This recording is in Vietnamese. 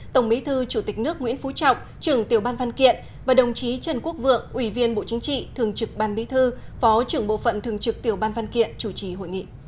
tổng bí thư chủ tịch nước nguyễn phú trọng trưởng tiểu ban văn kiện và đồng chí trần quốc vượng ủy viên bộ chính trị thường trực ban bí thư phó trưởng bộ phận thường trực tiểu ban văn kiện chủ trì hội nghị